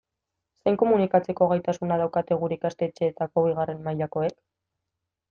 Zein komunikatzeko gaitasuna daukate gure ikastetxeetako bigarren mailakoek?